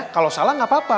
kalau salah gak apa apa